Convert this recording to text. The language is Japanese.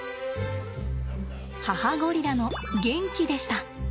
母ゴリラのゲンキでした。